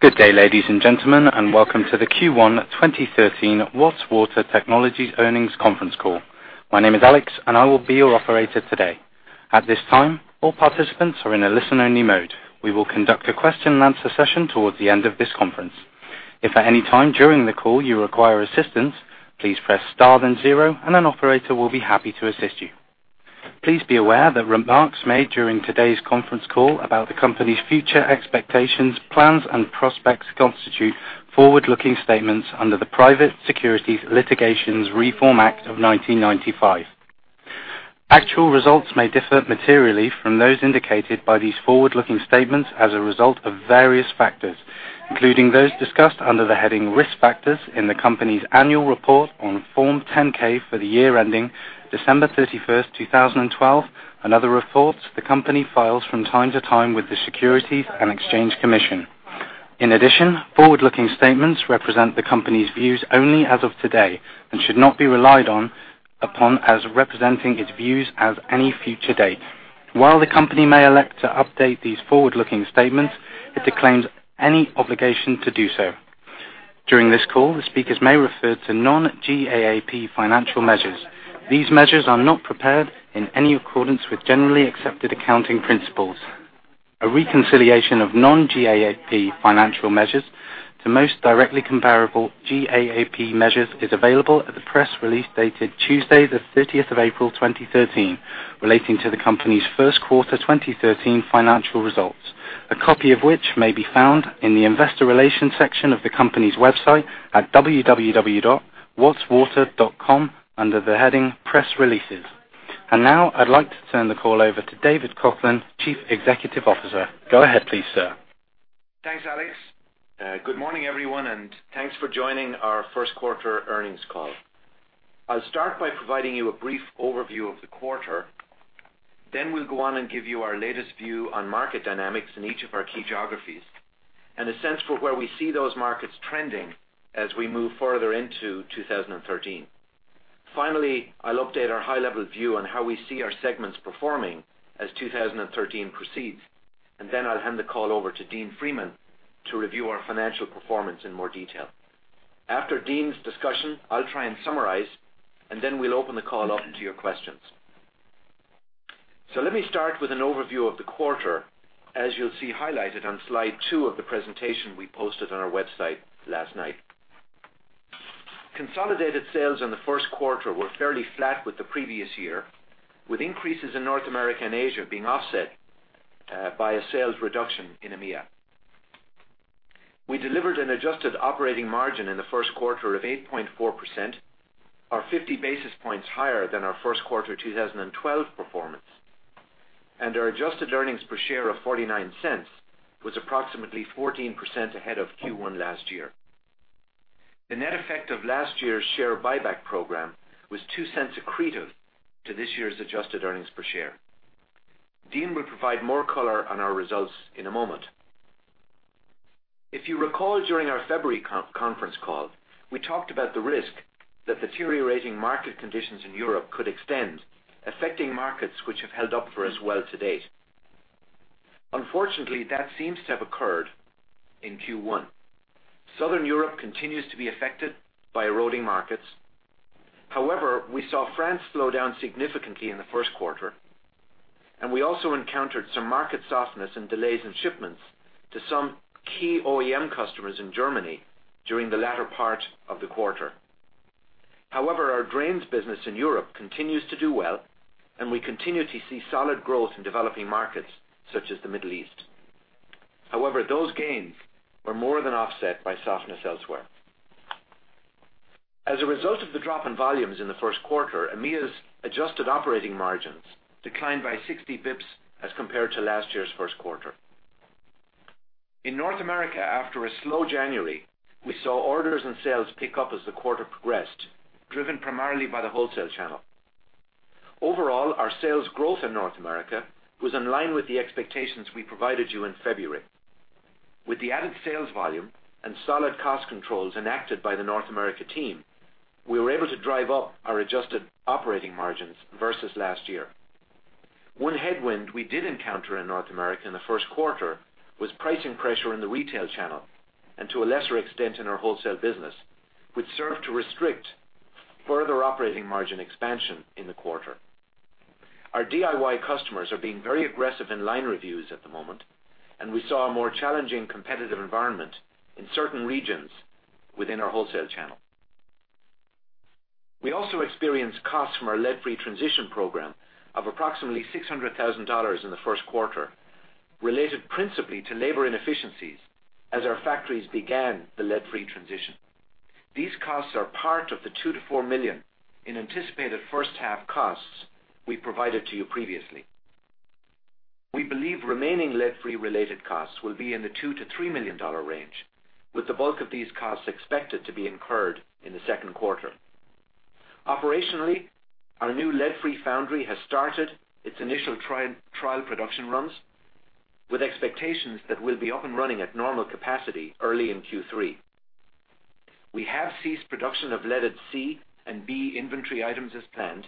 Good day, ladies and gentlemen, and welcome to the Q1 2013 Watts Water Technologies Earnings Conference Call. My name is Alex, and I will be your operator today. At this time, all participants are in a listen-only mode. We will conduct a question-and-answer session towards the end of this conference. If at any time during the call you require assistance, please press star, then zero, and an operator will be happy to assist you. Please be aware that remarks made during today's conference call about the company's future expectations, plans, and prospects constitute forward-looking statements under the Private Securities Litigation Reform Act of 1995. Actual results may differ materially from those indicated by these forward-looking statements as a result of various factors, including those discussed under the heading Risk Factors in the company's annual report on Form 10-K for the year ending December 31, 2012, and other reports the company files from time to time with the Securities and Exchange Commission. In addition, forward-looking statements represent the company's views only as of today and should not be relied on upon as representing its views as of any future date. While the company may elect to update these forward-looking statements, it declines any obligation to do so. During this call, the speakers may refer to non-GAAP financial measures. These measures are not prepared in accordance with generally accepted accounting principles. A reconciliation of non-GAAP financial measures to most directly comparable GAAP measures is available at the press release dated Tuesday, the thirtieth of April 2013, relating to the company's first quarter 2013 financial results, a copy of which may be found in the Investor Relations section of the company's website at www.wattswater.com, under the heading Press Releases. Now I'd like to turn the call over to David Coghlan, Chief Executive Officer. Go ahead, please, sir. Thanks, Alex. Good morning, everyone, and thanks for joining our first quarter earnings call. I'll start by providing you a brief overview of the quarter, then we'll go on and give you our latest view on market dynamics in each of our key geographies and a sense for where we see those markets trending as we move further into 2013. Finally, I'll update our high-level view on how we see our segments performing as 2013 proceeds, and then I'll hand the call over to Dean Freeman to review our financial performance in more detail. After Dean's discussion, I'll try and summarize, and then we'll open the call up to your questions. So let me start with an overview of the quarter, as you'll see highlighted on slide two of the presentation we posted on our website last night. Consolidated sales in the first quarter were fairly flat with the previous year, with increases in North America and Asia being offset by a sales reduction in EMEA. We delivered an adjusted operating margin in the first quarter of 8.4%, or 50 basis points higher than our first quarter 2012 performance, and our adjusted earnings per share of $0.49 was approximately 14% ahead of Q1 last year. The net effect of last year's share buyback program was $0.02 accretive to this year's adjusted earnings per share. Dean will provide more color on our results in a moment. If you recall, during our February conference call, we talked about the risk that deteriorating market conditions in Europe could extend, affecting markets which have held up for us well to date. Unfortunately, that seems to have occurred in Q1. Southern Europe continues to be affected by eroding markets. However, we saw France slow down significantly in the first quarter, and we also encountered some market softness and delays in shipments to some key OEM customers in Germany during the latter part of the quarter. However, our drains business in Europe continues to do well, and we continue to see solid growth in developing markets such as the Middle East. However, those gains were more than offset by softness elsewhere. As a result of the drop in volumes in the first quarter, EMEA's adjusted operating margins declined by 60 basis points as compared to last year's first quarter. In North America, after a slow January, we saw orders and sales pick up as the quarter progressed, driven primarily by the wholesale channel. Overall, our sales growth in North America was in line with the expectations we provided you in February. With the added sales volume and solid cost controls enacted by the North America team, we were able to drive up our adjusted operating margins versus last year. One headwind we did encounter in North America in the first quarter was pricing pressure in the retail channel, and to a lesser extent, in our wholesale business, which served to restrict further operating margin expansion in the quarter. Our DIY customers are being very aggressive in line reviews at the moment, and we saw a more challenging competitive environment in certain regions within our wholesale channel. We also experienced costs from our lead-free transition program of approximately $600,000 in the first quarter, related principally to labor inefficiencies as our factories began the lead-free transition. These costs are part of the $2 million-$4 million in anticipated first half costs we provided to you previously. We believe remaining lead-free related costs will be in the $2 million-$3 million range, with the bulk of these costs expected to be incurred in the second quarter. Operationally, our new lead-free foundry has started its initial trial, trial production runs, with expectations that we'll be up and running at normal capacity early in Q3. We have ceased production of leaded C and B inventory items as planned,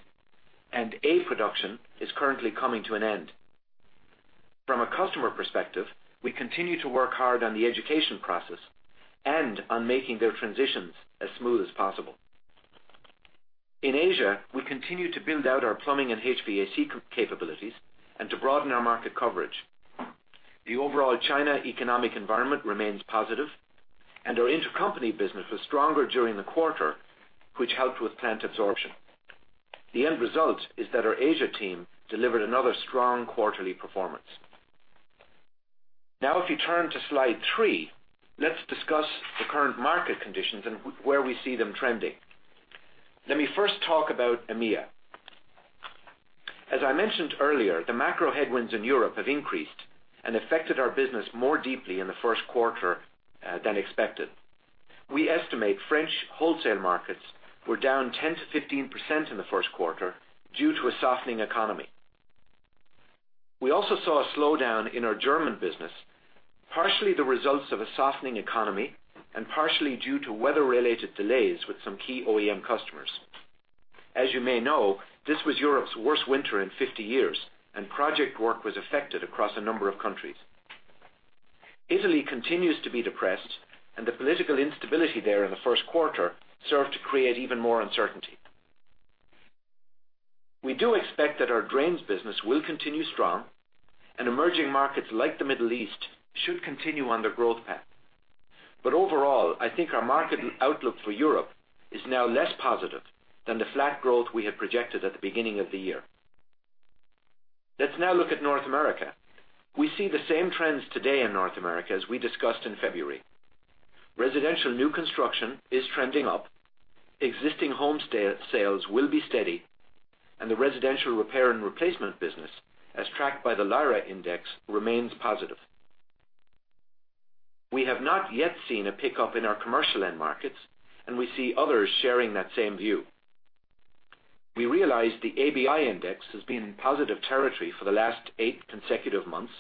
and A production is currently coming to an end. From a customer perspective, we continue to work hard on the education process and on making their transitions as smooth as possible. In Asia, we continue to build out our plumbing and HVAC capabilities and to broaden our market coverage. The overall China economic environment remains positive, and our intercompany business was stronger during the quarter, which helped with plant absorption. The end result is that our Asia team delivered another strong quarterly performance. Now, if you turn to slide three, let's discuss the current market conditions and where we see them trending. Let me first talk about EMEA. As I mentioned earlier, the macro headwinds in Europe have increased and affected our business more deeply in the first quarter than expected. We estimate French wholesale markets were down 10%-15% in the first quarter due to a softening economy. We also saw a slowdown in our German business, partially the results of a softening economy and partially due to weather-related delays with some key OEM customers. As you may know, this was Europe's worst winter in 50 years, and project work was affected across a number of countries. Italy continues to be depressed, and the political instability there in the first quarter served to create even more uncertainty. We do expect that our drains business will continue strong, and emerging markets like the Middle East should continue on their growth path. But overall, I think our market outlook for Europe is now less positive than the flat growth we had projected at the beginning of the year. Let's now look at North America. We see the same trends today in North America as we discussed in February. Residential new construction is trending up, existing home sales will be steady, and the residential repair and replacement business, as tracked by the LIRA Index, remains positive. We have not yet seen a pickup in our commercial end markets, and we see others sharing that same view. We realize the ABI index has been in positive territory for the last eight consecutive months,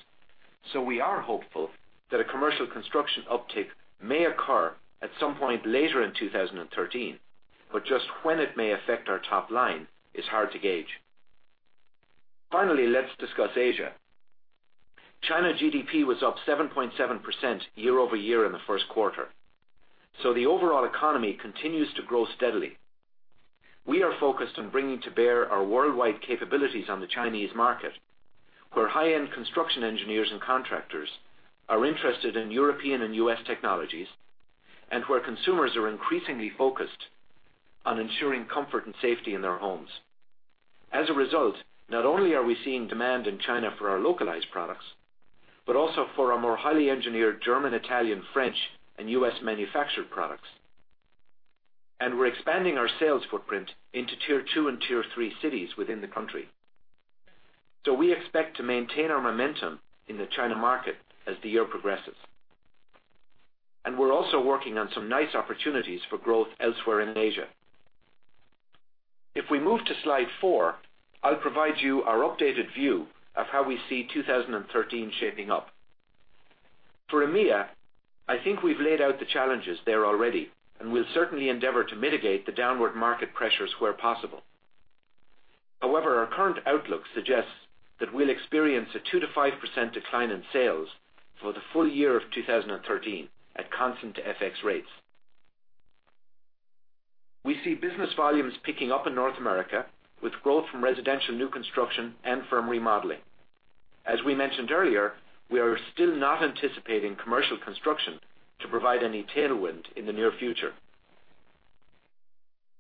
so we are hopeful that a commercial construction uptick may occur at some point later in 2013, but just when it may affect our top line is hard to gauge. Finally, let's discuss Asia. China GDP was up 7.7% year-over-year in the first quarter, so the overall economy continues to grow steadily. We are focused on bringing to bear our worldwide capabilities on the Chinese market, where high-end construction engineers and contractors are interested in European and U.S. technologies, and where consumers are increasingly focused on ensuring comfort and safety in their homes. As a result, not only are we seeing demand in China for our localized products, but also for our more highly engineered German, Italian, French, and U.S.-manufactured products. We're expanding our sales footprint into tier two and tier three cities within the country. We expect to maintain our momentum in the China market as the year progresses. We're also working on some nice opportunities for growth elsewhere in Asia. If we move to slide four, I'll provide you our updated view of how we see 2013 shaping up. For EMEA, I think we've laid out the challenges there already, and we'll certainly endeavor to mitigate the downward market pressures where possible. However, our current outlook suggests that we'll experience a 2%-5% decline in sales for the full year of 2013 at constant FX rates. We see business volumes picking up in North America, with growth from residential new construction and from remodeling. As we mentioned earlier, we are still not anticipating commercial construction to provide any tailwind in the near future.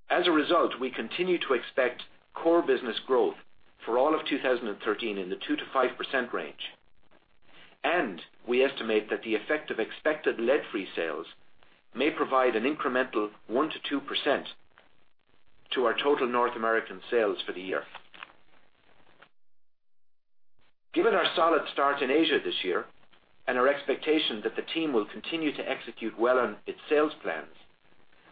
As a result, we continue to expect core business growth for all of 2013 in the 2%-5% range, and we estimate that the effect of expected lead-free sales may provide an incremental 1%-2% to our total North American sales for the year. Given our solid start in Asia this year, and our expectation that the team will continue to execute well on its sales plans,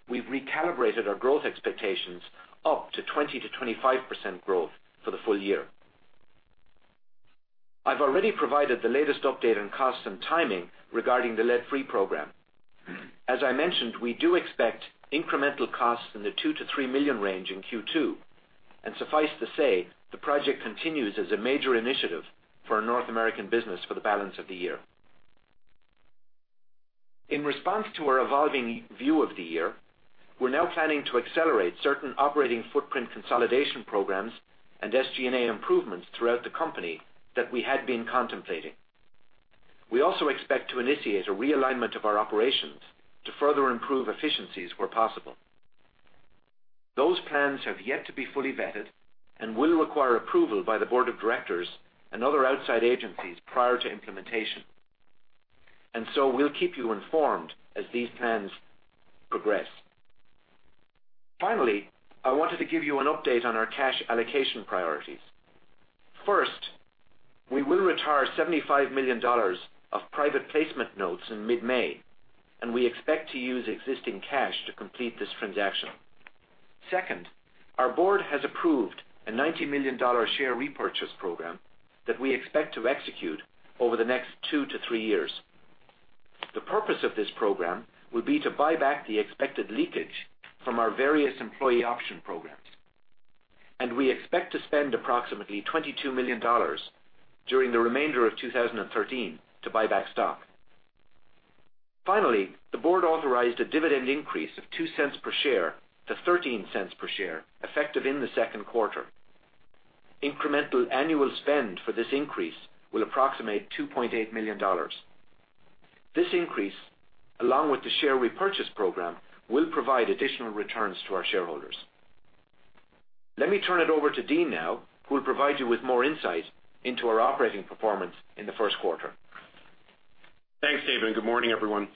we've recalibrated our growth expectations up to 20%-25% growth for the full year. I've already provided the latest update on costs and timing regarding the lead-free program. As I mentioned, we do expect incremental costs in the $2 million-$3 million range in Q2, and suffice to say, the project continues as a major initiative for our North American business for the balance of the year. In response to our evolving view of the year, we're now planning to accelerate certain operating footprint consolidation programs and SG&A improvements throughout the company that we had been contemplating. We also expect to initiate a realignment of our operations to further improve efficiencies where possible. Those plans have yet to be fully vetted and will require approval by the board of directors and other outside agencies prior to implementation. And so we'll keep you informed as these plans progress. Finally, I wanted to give you an update on our cash allocation priorities. First, we will retire $75 million of private placement notes in mid-May, and we expect to use existing cash to complete this transaction. Second, our board has approved a $90 million share repurchase program that we expect to execute over the next two to three years. The purpose of this program will be to buy back the expected leakage from our various employee option programs, and we expect to spend approximately $22 million during the remainder of 2013 to buy back stock. Finally, the board authorized a dividend increase of $0.02 per share to $0.13 per share, effective in the second quarter. Incremental annual spend for this increase will approximate $2.8 million. This increase, along with the share repurchase program, will provide additional returns to our shareholders. Let me turn it over to Dean now, who will provide you with more insight into our operating performance in the first quarter. Thanks, David, and good morning, everyone.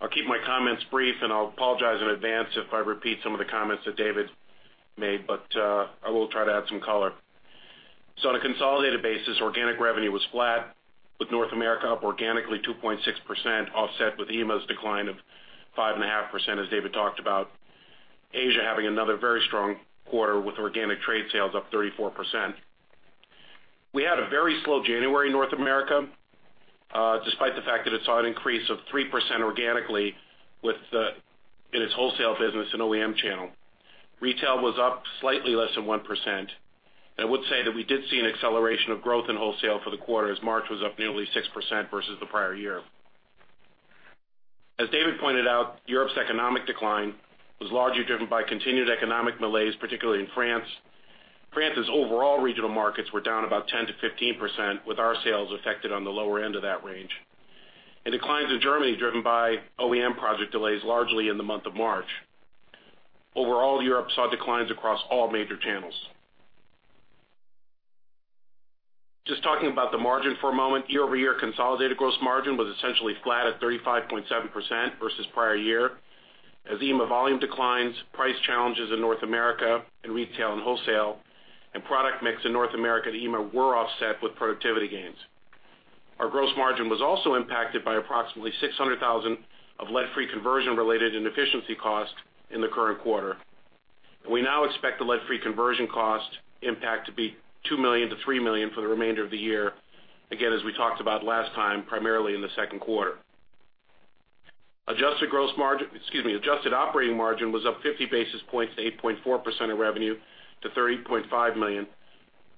I'll keep my comments brief, and I'll apologize in advance if I repeat some of the comments that David made, but I will try to add some color. So on a consolidated basis, organic revenue was flat, with North America up organically 2.6%, offset with EMEA's decline of 5.5%, as David talked about. Asia having another very strong quarter with organic trade sales up 34%. We had a very slow January in North America, despite the fact that it saw an increase of 3% organically in its wholesale business and OEM channel. Retail was up slightly less than 1%. I would say that we did see an acceleration of growth in wholesale for the quarter, as March was up nearly 6% versus the prior year. As David pointed out, Europe's economic decline was largely driven by continued economic malaise, particularly in France. France's overall regional markets were down about 10%-15%, with our sales affected on the lower end of that range. Declines in Germany, driven by OEM project delays, largely in the month of March. Overall, Europe saw declines across all major channels. Just talking about the margin for a moment. Year-over-year consolidated gross margin was essentially flat at 35.7% versus prior year, as EMEA volume declines, price challenges in North America in retail and wholesale, and product mix in North America and EMEA were offset with productivity gains. Our gross margin was also impacted by approximately $600,000 of lead-free conversion related inefficiency costs in the current quarter. We now expect the lead-free conversion cost impact to be $2 million-$3 million for the remainder of the year. Again, as we talked about last time, primarily in the second quarter. Adjusted gross margin, excuse me, adjusted operating margin was up 50 basis points to 8.4% of revenue to $30.5 million,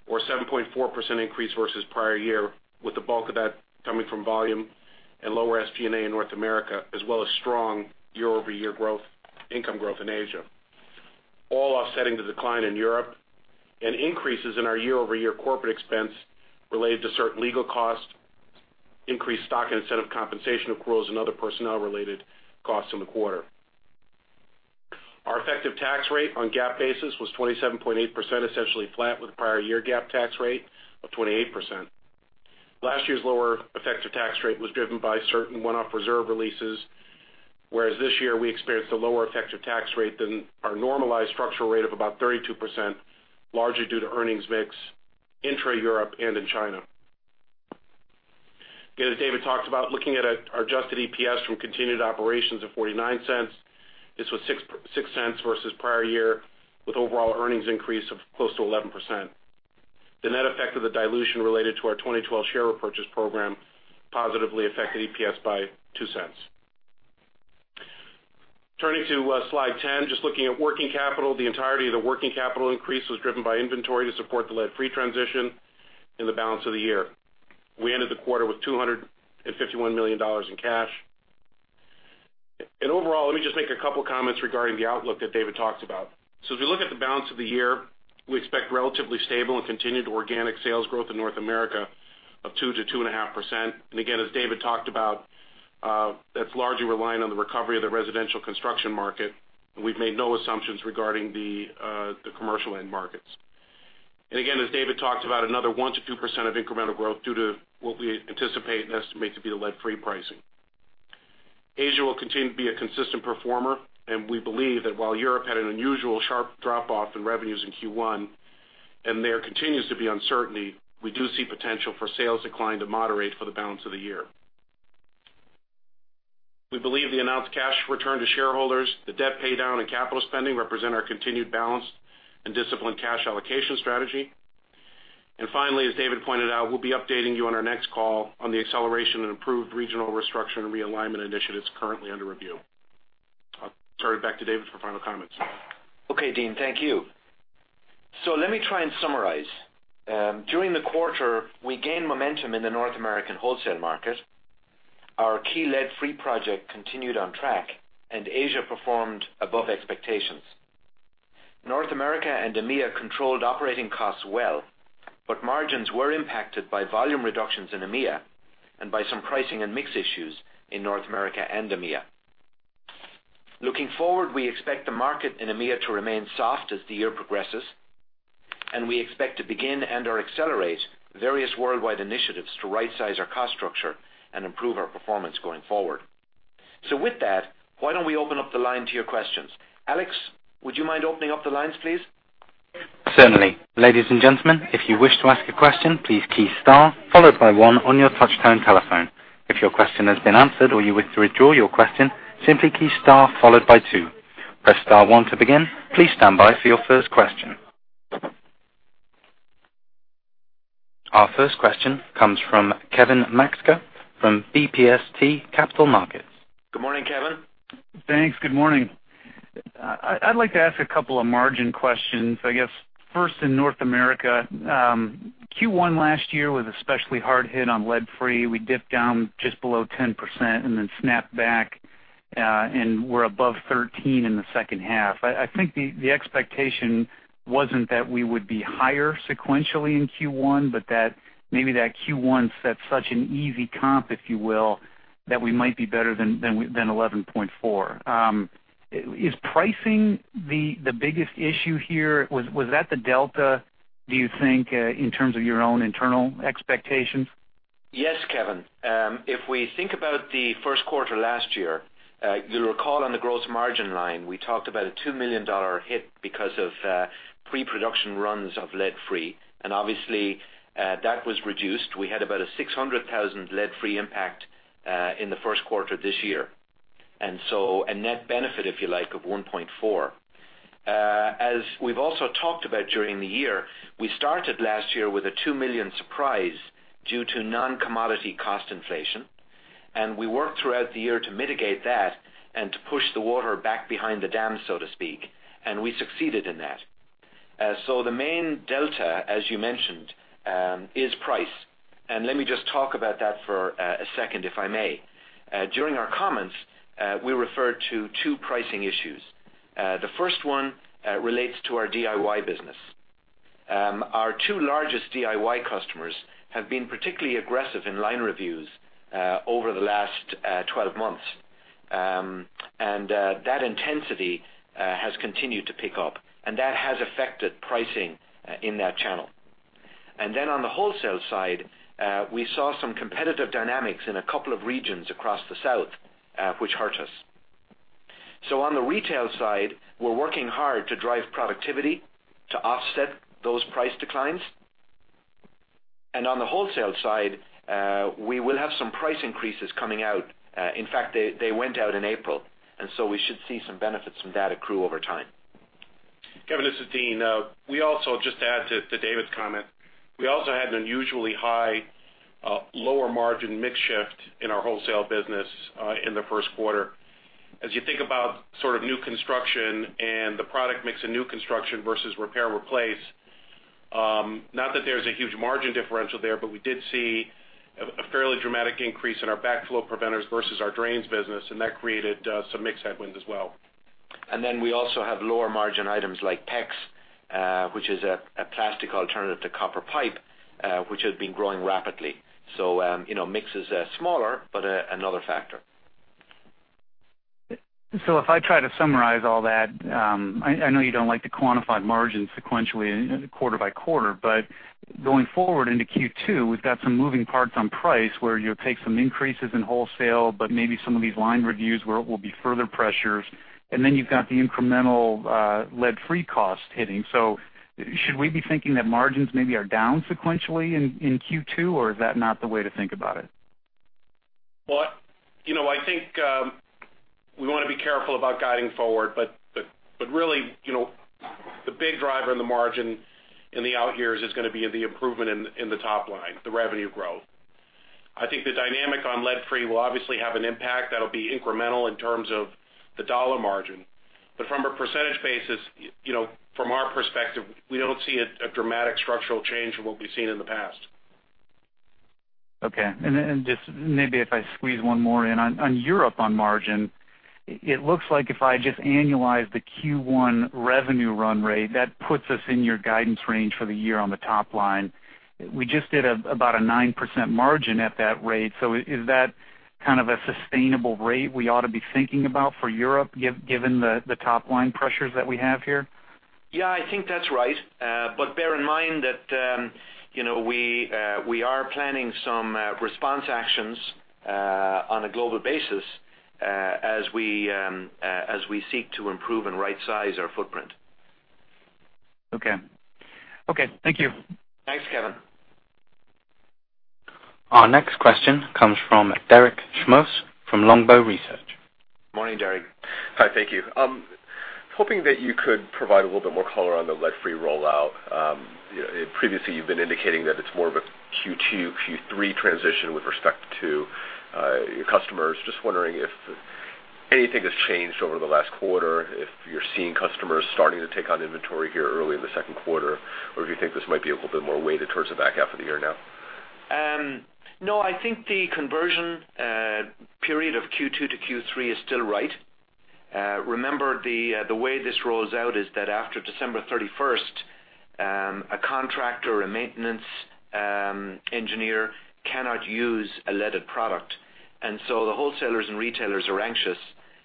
or 7.4% increase versus prior year, with the bulk of that coming from volume and lower SG&A in North America, as well as strong year-over-year growth, income growth in Asia. All offsetting the decline in Europe and increases in our year-over-year corporate expense related to certain legal costs, increased stock and incentive compensation accruals, and other personnel-related costs in the quarter. Our effective tax rate on GAAP basis was 27.8%, essentially flat with the prior-year GAAP tax rate of 28%. Last year's lower effective tax rate was driven by certain one-off reserve releases, whereas this year we experienced a lower effective tax rate than our normalized structural rate of about 32%, largely due to earnings mix intra-Europe and in China. Again, as David talked about, looking at our adjusted EPS from continued operations of $0.49, this was $0.06 versus prior year, with overall earnings increase of close to 11%. The net effect of the dilution related to our 2012 share repurchase program positively affected EPS by $0.02. Turning to, slide 10, just looking at working capital. The entirety of the working capital increase was driven by inventory to support the lead-free transition in the balance of the year. We ended the quarter with $251 million in cash. Overall, let me just make a couple comments regarding the outlook that David talked about. As we look at the balance of the year, we expect relatively stable and continued organic sales growth in North America of 2%-2.5%. Again, as David talked about, that's largely relying on the recovery of the residential construction market, and we've made no assumptions regarding the the commercial end markets. Again, as David talked about, another 1%-2% of incremental growth due to what we anticipate and estimate to be the lead-free pricing. Asia will continue to be a consistent performer, and we believe that while Europe had an unusual sharp drop-off in revenues in Q1, and there continues to be uncertainty, we do see potential for sales decline to moderate for the balance of the year. We believe the announced cash return to shareholders, the debt paydown, and capital spending represent our continued balanced and disciplined cash allocation strategy. Finally, as David pointed out, we'll be updating you on our next call on the acceleration and improved regional restructure and realignment initiatives currently under review. I'll turn it back to David for final comments. Okay, Dean, thank you. So let me try and summarize. During the quarter, we gained momentum in the North American wholesale market. Our key lead-free project continued on track, and Asia performed above expectations. North America and EMEA controlled operating costs well, but margins were impacted by volume reductions in EMEA and by some pricing and mix issues in North America and EMEA. Looking forward, we expect the market in EMEA to remain soft as the year progresses, and we expect to begin and/or accelerate various worldwide initiatives to rightsize our cost structure and improve our performance going forward. So with that, why don't we open up the line to your questions? Alex, would you mind opening up the lines, please? ...Certainly. Ladies and gentlemen, if you wish to ask a question, please key star, followed by one on your touchtone telephone. If your question has been answered or you wish to withdraw your question, simply key star, followed by two. Press star one to begin. Please stand by for your first question. Our first question comes from Kevin Maczka from BB&T Capital Markets. Good morning, Kevin. Thanks. Good morning. I'd like to ask a couple of margin questions, I guess. First, in North America, Q1 last year was especially hard hit on lead-free. We dipped down just below 10% and then snapped back, and we're above 13% in the second half. I think the expectation wasn't that we would be higher sequentially in Q1, but that maybe that Q1 set such an easy comp, if you will, that we might be better than 11.4%. Is pricing the biggest issue here? Was that the delta, do you think, in terms of your own internal expectations? Yes, Kevin. If we think about the first quarter last year, you'll recall on the gross margin line, we talked about a $2 million hit because of pre-production runs of lead-free, and obviously, that was reduced. We had about a $600,000 lead-free impact in the first quarter this year, and so a net benefit, if you like, of $1.4 million. As we've also talked about during the year, we started last year with a $2 million surprise due to non-commodity cost inflation, and we worked throughout the year to mitigate that and to push the water back behind the dam, so to speak, and we succeeded in that. So the main delta, as you mentioned, is price. And let me just talk about that for a second, if I may. During our comments, we referred to two pricing issues. The first one relates to our DIY business. Our two largest DIY customers have been particularly aggressive in line reviews over the last 12 months. And that intensity has continued to pick up, and that has affected pricing in that channel. Then on the wholesale side, we saw some competitive dynamics in a couple of regions across the South, which hurt us. So on the retail side, we're working hard to drive productivity to offset those price declines. On the wholesale side, we will have some price increases coming out. In fact, they went out in April, and so we should see some benefits from that accrue over time. Kevin, this is Dean. We also, just to add to David's comment, we also had an unusually high lower margin mix shift in our wholesale business in the first quarter. As you think about sort of new construction and the product mix in new construction versus repair/replace, not that there's a huge margin differential there, but we did see a fairly dramatic increase in our backflow preventers versus our drains business, and that created some mix headwinds as well. And then we also have lower margin items like PEX, which is a plastic alternative to copper pipe, which has been growing rapidly. So, you know, mix is smaller, but another factor. So if I try to summarize all that, I know you don't like to quantify margins sequentially quarter by quarter, but going forward into Q2, we've got some moving parts on price, where you'll take some increases in wholesale, but maybe some of these line reviews where it will be further pressures. And then you've got the incremental lead-free cost hitting. So should we be thinking that margins maybe are down sequentially in Q2, or is that not the way to think about it? Well, you know, I think, we wanna be careful about guiding forward, but really, you know, the big driver in the margin in the out years is gonna be the improvement in the top line, the revenue growth. I think the dynamic on lead-free will obviously have an impact that'll be incremental in terms of the dollar margin. But from a percentage basis, you know, from our perspective, we don't see a dramatic structural change from what we've seen in the past. Okay. And then, just maybe if I squeeze one more in. On Europe, on margin, it looks like if I just annualize the Q1 revenue run rate, that puts us in your guidance range for the year on the top line. We just did about a 9% margin at that rate. So is that kind of a sustainable rate we ought to be thinking about for Europe, given the top line pressures that we have here? Yeah, I think that's right. But bear in mind that, you know, we are planning some response actions on a global basis as we seek to improve and right-size our footprint. Okay. Okay, thank you. Thanks, Kevin. Our next question comes from Derek Schmus, from Longbow Research. Morning, Derek. Hi, thank you. Hoping that you could provide a little bit more color on the lead-free rollout. Previously, you've been indicating that it's more of a Q2, Q3 transition with respect to your customers. Just wondering if anything has changed over the last quarter, if you're seeing customers starting to take on inventory here early in the second quarter, or do you think this might be a little bit more weighted towards the back half of the year now? No, I think the conversion period of Q2 to Q3 is still right. Remember, the way this rolls out is that after December 31st, a contractor, a maintenance engineer, cannot use a leaded product. And so the wholesalers and retailers are anxious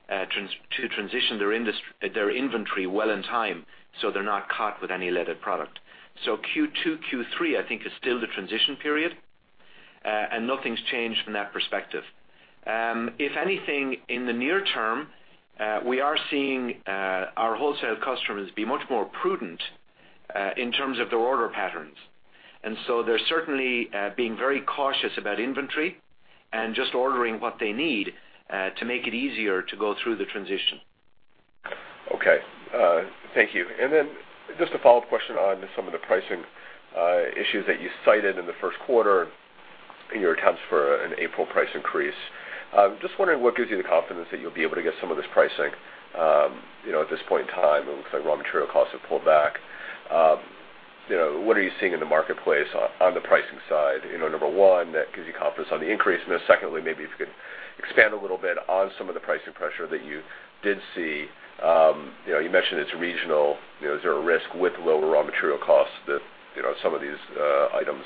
to transition their inventory well in time, so they're not caught with any leaded product. So Q2, Q3, I think, is still the transition period. And nothing's changed from that perspective. If anything, in the near term, we are seeing our wholesale customers be much more prudent in terms of their order patterns. And so they're certainly being very cautious about inventory and just ordering what they need to make it easier to go through the transition. Okay, thank you. And then just a follow-up question on some of the pricing, issues that you cited in the first quarter in your attempts for an April price increase. I'm just wondering, what gives you the confidence that you'll be able to get some of this pricing, you know, at this point in time, it looks like raw material costs have pulled back. You know, what are you seeing in the marketplace on the pricing side? You know, number one, that gives you confidence on the increase. And then secondly, maybe if you could expand a little bit on some of the pricing pressure that you did see. You know, you mentioned it's regional. You know, is there a risk with lower raw material costs that, you know, some of these, items,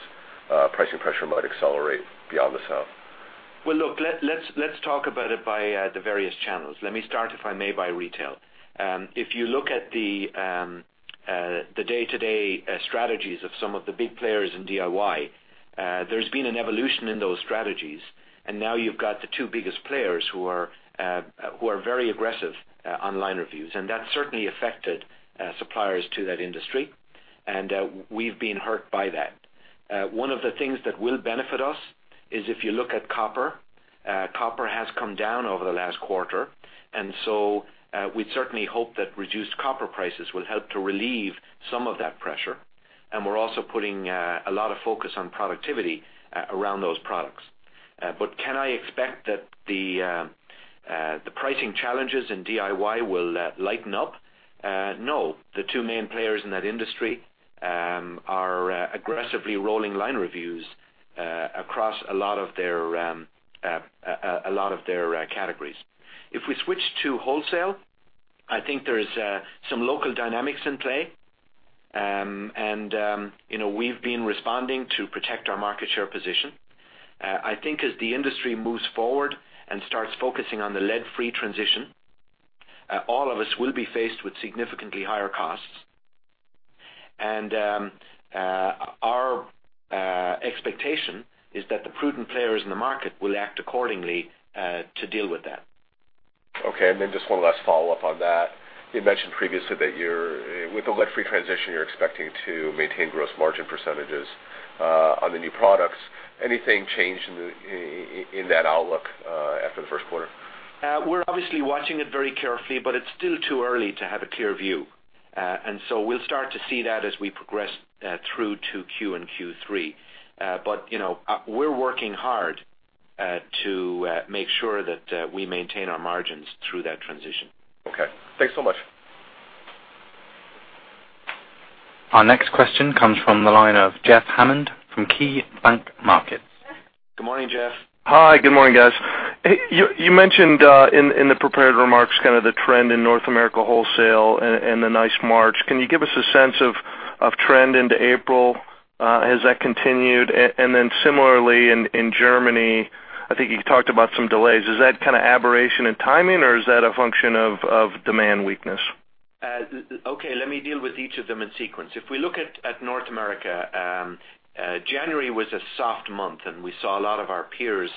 pricing pressure might accelerate beyond the South? Well, look, let's talk about it by the various channels. Let me start, if I may, by retail. If you look at the day-to-day strategies of some of the big players in DIY, there's been an evolution in those strategies, and now you've got the two biggest players who are very aggressive online reviews, and that certainly affected suppliers to that industry, and we've been hurt by that. One of the things that will benefit us is if you look at copper, copper has come down over the last quarter, and so we certainly hope that reduced copper prices will help to relieve some of that pressure, and we're also putting a lot of focus on productivity around those products. But can I expect that the pricing challenges in DIY will lighten up? No. The two main players in that industry are aggressively rolling line reviews across a lot of their categories. If we switch to wholesale, I think there's some local dynamics in play. And you know, we've been responding to protect our market share position. I think as the industry moves forward and starts focusing on the lead-free transition, all of us will be faced with significantly higher costs. And our expectation is that the prudent players in the market will act accordingly to deal with that. Okay, and then just one last follow-up on that. You mentioned previously that you're with the lead-free transition, you're expecting to maintain gross margin percentages on the new products. Anything changed in that outlook after the first quarter? We're obviously watching it very carefully, but it's still too early to have a clear view. And so we'll start to see that as we progress through to Q2 and Q3. But, you know, we're working hard to make sure that we maintain our margins through that transition. Okay. Thanks so much. Our next question comes from the line of Jeff Hammond from KeyBanc Markets. Good morning, Jeff. Hi, good morning, guys. You mentioned in the prepared remarks kind of the trend in North America wholesale and the nice March. Can you give us a sense of trend into April? Has that continued? And then similarly, in Germany, I think you talked about some delays. Is that kind of aberration in timing, or is that a function of demand weakness? Okay, let me deal with each of them in sequence. If we look at North America, January was a soft month, and we saw a lot of our peers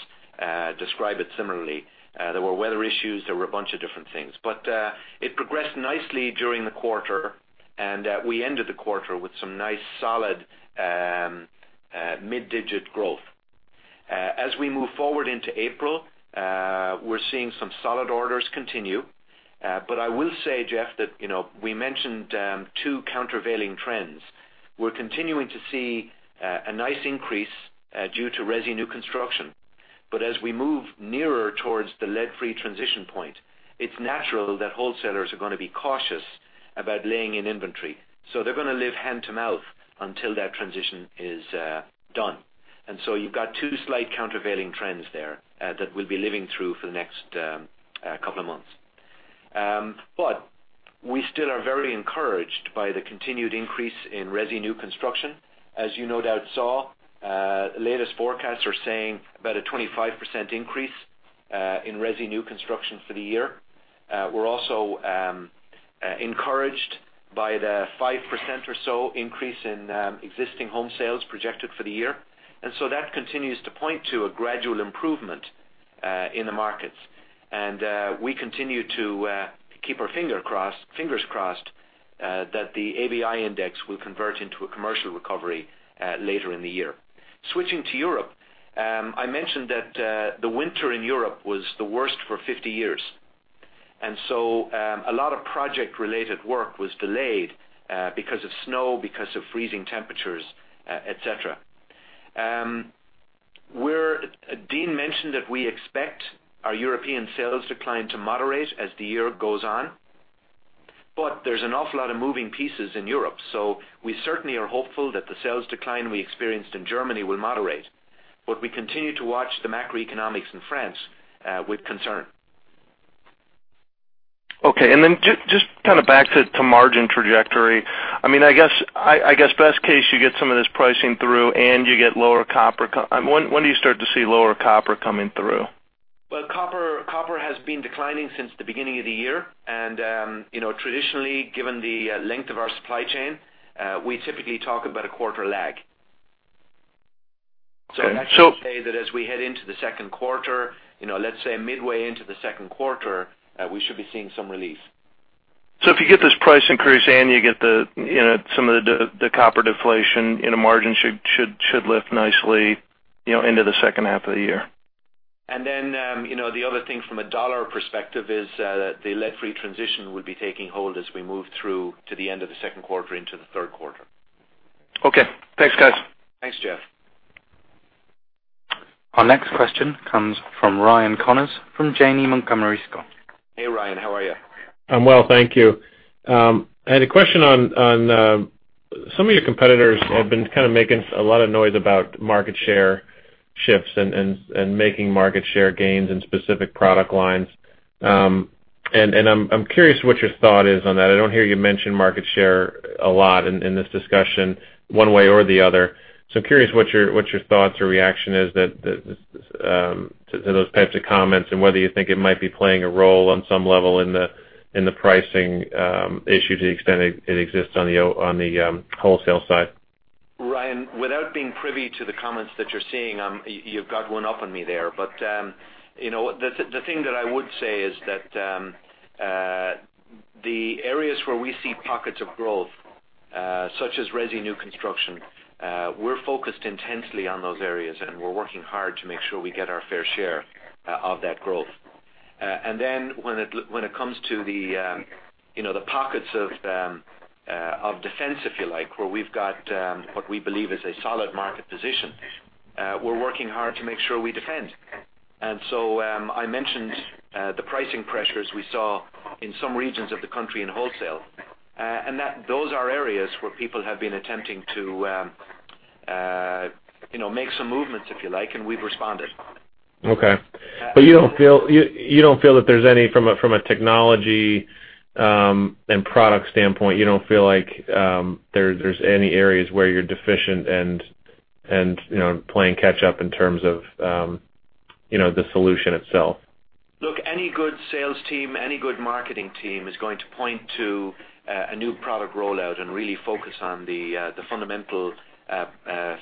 describe it similarly. There were weather issues, there were a bunch of different things. But it progressed nicely during the quarter, and we ended the quarter with some nice, solid mid-digit growth. As we move forward into April, we're seeing some solid orders continue. But I will say, Jeff, that you know, we mentioned two countervailing trends. We're continuing to see a nice increase due to resi new construction, but as we move nearer towards the lead-free transition point, it's natural that wholesalers are gonna be cautious about laying in inventory. So they're gonna live hand to mouth until that transition is done. And so you've got two slight countervailing trends there, that we'll be living through for the next couple of months. But we still are very encouraged by the continued increase in resi new construction. As you no doubt saw, the latest forecasts are saying about a 25% increase in resi new construction for the year. We're also encouraged by the 5% or so increase in existing home sales projected for the year. And so that continues to point to a gradual improvement in the markets. And we continue to keep our finger crossed, fingers crossed, that the ABI index will convert into a commercial recovery later in the year. Switching to Europe, I mentioned that the winter in Europe was the worst for 50 years, and so, a lot of project-related work was delayed because of snow, because of freezing temperatures, et cetera. We're, Dean mentioned that we expect our European sales decline to moderate as the year goes on, but there's an awful lot of moving pieces in Europe, so we certainly are hopeful that the sales decline we experienced in Germany will moderate, but we continue to watch the macroeconomics in France with concern. Okay, and then just kind of back to margin trajectory. I mean, I guess best case, you get some of this pricing through and you get lower copper. When do you start to see lower copper coming through?... Well, copper, copper has been declining since the beginning of the year, and you know, traditionally, given the length of our supply chain, we typically talk about a quarter lag. Okay, so- That should say that as we head into the second quarter, you know, let's say midway into the second quarter, we should be seeing some relief. So if you get this price increase and you get the, you know, some of the copper deflation in a margin should lift nicely, you know, into the second half of the year. And then, you know, the other thing from a dollar perspective is that the lead-free transition will be taking hold as we move through to the end of the second quarter into the third quarter. Okay. Thanks, guys. Thanks, Jeff. Our next question comes from Ryan Connors, from Janney Montgomery Scott. Hey, Ryan. How are you? I'm well, thank you. I had a question on some of your competitors have been kind of making a lot of noise about market share shifts and making market share gains in specific product lines. I'm curious what your thought is on that. I don't hear you mention market share a lot in this discussion, one way or the other. So I'm curious what your thoughts or reaction is to those types of comments, and whether you think it might be playing a role on some level in the pricing issue, to the extent it exists on the wholesale side. Ryan, without being privy to the comments that you're seeing, you've got one up on me there. But, you know, the thing that I would say is that, the areas where we see pockets of growth, such as resi new construction, we're focused intensely on those areas, and we're working hard to make sure we get our fair share, of that growth. And then when it comes to the, you know, the pockets of defense, if you like, where we've got, what we believe is a solid market position, we're working hard to make sure we defend. And so, I mentioned the pricing pressures we saw in some regions of the country in wholesale, and that those are areas where people have been attempting to, you know, make some movements, if you like, and we've responded. Okay. But you don't feel that there's any from a technology and product standpoint, you don't feel like there's any areas where you're deficient and you know, playing catch up in terms of you know, the solution itself? Look, any good sales team, any good marketing team is going to point to a new product rollout and really focus on the fundamental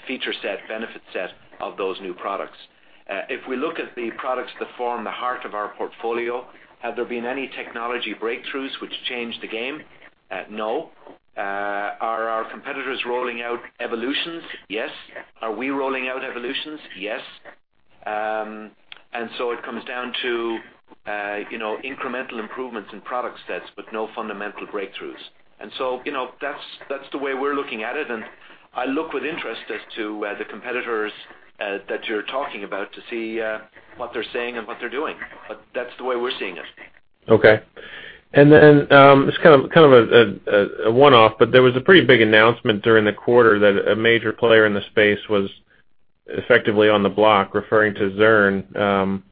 feature set, benefit set of those new products. If we look at the products that form the heart of our portfolio, have there been any technology breakthroughs which changed the game? No. Are our competitors rolling out evolutions? Yes. Are we rolling out evolutions? Yes. And so it comes down to, you know, incremental improvements in product sets, but no fundamental breakthroughs. And so, you know, that's the way we're looking at it, and I look with interest as to the competitors that you're talking about to see what they're saying and what they're doing. But that's the way we're seeing it. Okay. And then, just kind of, kind of a, a, a one-off, but there was a pretty big announcement during the quarter that a major player in the space was effectively on the block, referring to Zurn.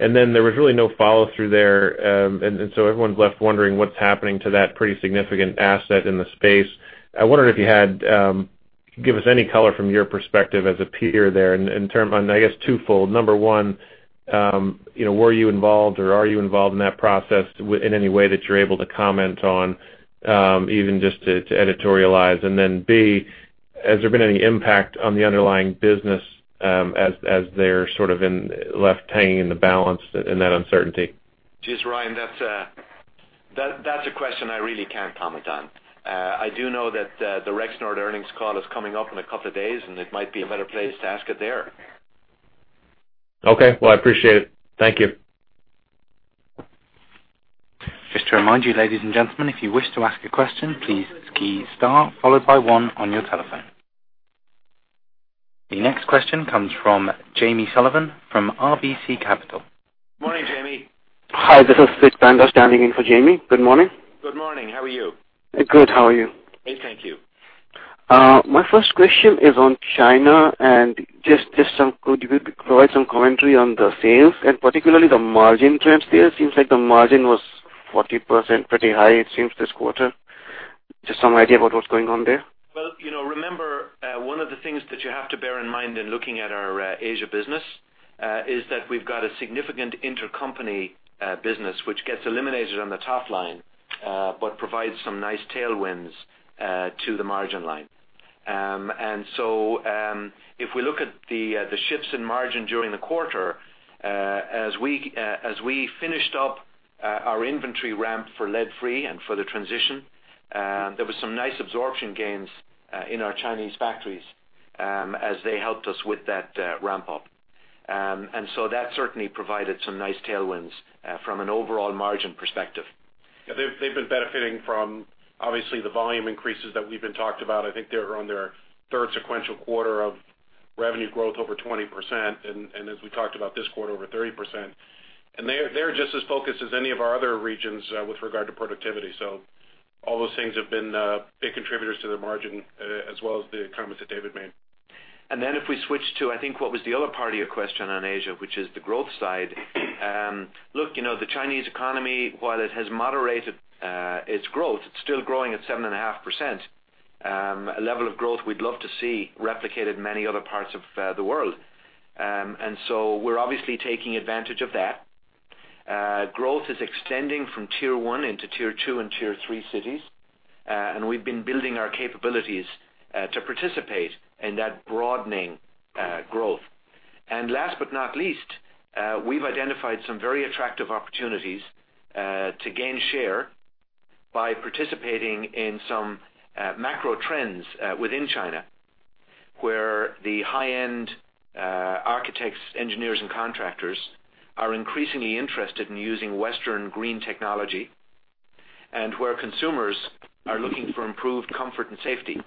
And then there was really no follow-through there, and so everyone's left wondering what's happening to that pretty significant asset in the space. I wonder if you had give us any color from your perspective as a peer there in terms, and I guess, twofold. Number 1, you know, were you involved or are you involved in that process in any way that you're able to comment on, even just to editorialize? And then, B, has there been any impact on the underlying business, as they're sort of left hanging in the balance in that uncertainty? Geez, Ryan, that's a question I really can't comment on. I do know that the Rexnord earnings call is coming up in a couple of days, and it might be a better place to ask it there. Okay. Well, I appreciate it. Thank you. Just to remind you, ladies and gentlemen, if you wish to ask a question, please key star followed by one on your telephone. The next question comes from Jamie Sullivan, from RBC Capital. Morning, Jamie. Hi, this is Sid Panda, standing in for Jamie. Good morning. Good morning. How are you? Good. How are you? Great, thank you. My first question is on China, and just some could you provide some commentary on the sales and particularly the margin trends there? Seems like the margin was 40%, pretty high, it seems, this quarter. Just some idea about what's going on there. Well, you know, remember, one of the things that you have to bear in mind in looking at our, Asia business, is that we've got a significant intercompany business, which gets eliminated on the top line, but provides some nice tailwinds, to the margin line. And so, if we look at the, the shifts in margin during the quarter, as we, as we finished up, our inventory ramp for lead-free and for the transition, there was some nice absorption gains, in our Chinese factories, as they helped us with that, ramp-up. And so that certainly provided some nice tailwinds, from an overall margin perspective. They've been benefiting from, obviously, the volume increases that we've been talked about. I think they're on their third sequential quarter of revenue growth over 20%, and as we talked about this quarter, over 30%. And they're just as focused as any of our other regions, with regard to productivity. So all those things have been big contributors to the margin, as well as the comments that David made. And then if we switch to, I think, what was the other part of your question on Asia, which is the growth side. Look, you know, the Chinese economy, while it has moderated its growth, it's still growing at 7.5%. A level of growth we'd love to see replicated in many other parts of the world. And so we're obviously taking advantage of that. Growth is extending from tier one into tier two and tier three cities. And we've been building our capabilities to participate in that broadening growth. And last but not least, we've identified some very attractive opportunities to gain share by participating in some macro trends within China, where the high-end architects, engineers, and contractors are increasingly interested in using Western green technology, and where consumers are looking for improved comfort and safety.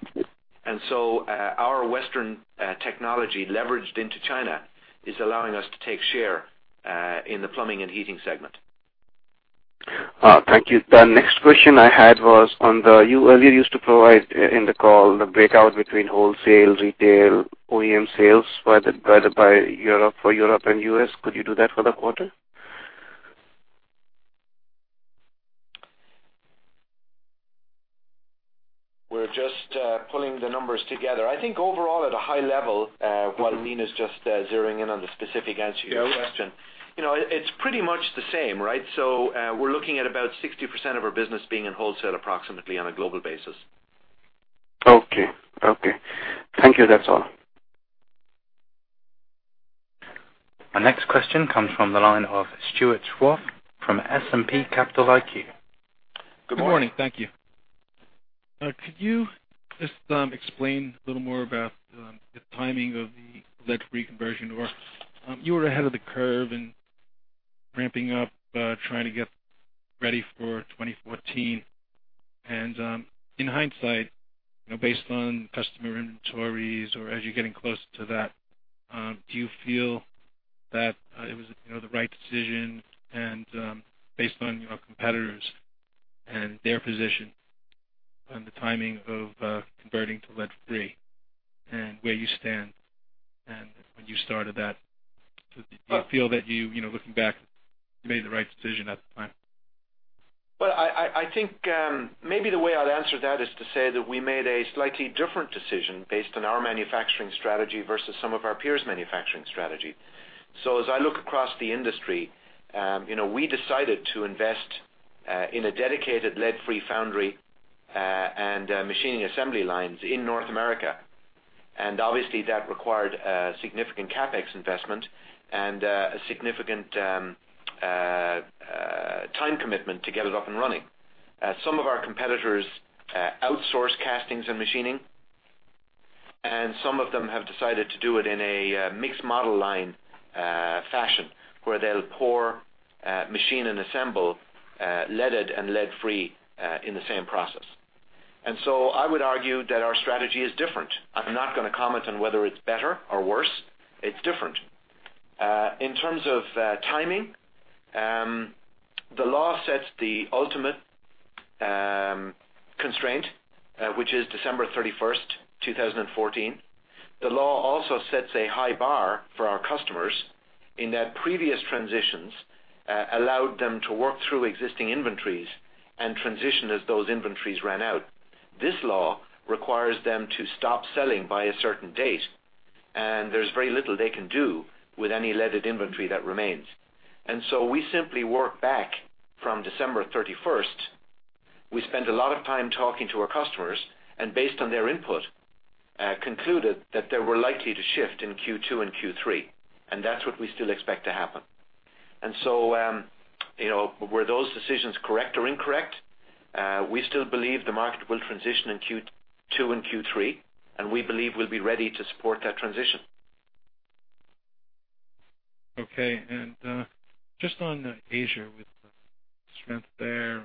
And so, our Western technology leveraged into China is allowing us to take share in the plumbing and heating segment. Thank you. The next question I had was on the—you earlier used to provide in the call, the breakout between wholesale, retail, OEM sales, by Europe, for Europe and U.S.. Could you do that for the quarter? We're just pulling the numbers together. I think overall, at a high level, Mm-hmm. -while Nina's just zeroing in on the specific answer to your question. Yeah. You know, it's pretty much the same, right?, we're looking at about 60% of our business being in wholesale, approximately, on a global basis. Okay. Okay. Thank you. That's all. Our next question comes from the line of Stewart Scharf from S&P Capital IQ. Good morning. Thank you. Could you just explain a little more about the timing of the lead-free conversion, or you were ahead of the curve in ramping up trying to get ready for 2014. And in hindsight, you know, based on customer inventories or as you're getting closer to that, do you feel that it was, you know, the right decision? And based on your competitors and their position on the timing of converting to lead-free, and where you stand and when you started that, do you feel that you know, looking back, you made the right decision at the time? Well, I think, maybe the way I'd answer that is to say that we made a slightly different decision based on our manufacturing strategy versus some of our peers' manufacturing strategy. So as I look across the industry, you know, we decided to invest in a dedicated lead-free foundry and machining assembly lines in North America. And obviously, that required a significant CapEx investment and a significant time commitment to get it up and running. Some of our competitors outsource castings and machining, and some of them have decided to do it in a mixed model line fashion, where they'll pour, machine and assemble leaded and lead-free in the same process. And so I would argue that our strategy is different. I'm not gonna comment on whether it's better or worse. It's different. In terms of timing, the law sets the ultimate constraint, which is December 31st, 2014. The law also sets a high bar for our customers in that previous transitions allowed them to work through existing inventories and transition as those inventories ran out. This law requires them to stop selling by a certain date, and there's very little they can do with any leaded inventory that remains. And so we simply work back from December 31st. We spent a lot of time talking to our customers, and based on their input, concluded that they were likely to shift in Q2 and Q3, and that's what we still expect to happen. So, you know, were those decisions correct or incorrect? We still believe the market will transition in Q2 and Q3, and we believe we'll be ready to support that transition. Okay. And, just on Asia, with the strength there,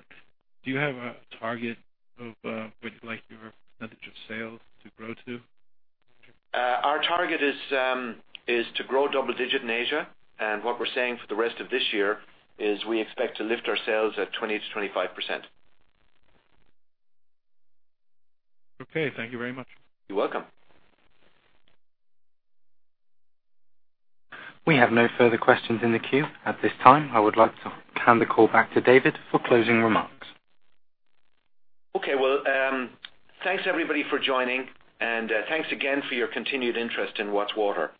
do you have a target of, would you like your percentage of sales to grow to? Our target is to grow double-digit in Asia, and what we're saying for the rest of this year is we expect to lift our sales at 20%-25%. Okay, thank you very much. You're welcome. We have no further questions in the queue at this time. I would like to hand the call back to David for closing remarks. Okay, well, thanks, everybody, for joining, and thanks again for your continued interest in Watts Water.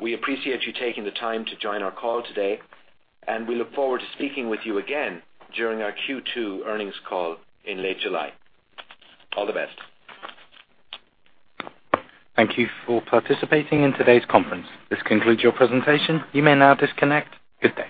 We appreciate you taking the time to join our call today, and we look forward to speaking with you again during our Q2 earnings call in late July. All the best. Thank you for participating in today's conference. This concludes your presentation. You may now disconnect. Good day.